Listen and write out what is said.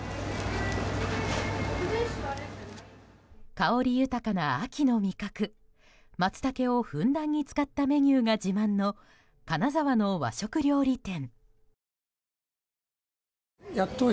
香り豊かな秋の味覚マツタケをふんだんに使ったメニューが自慢の金沢の和食料理店。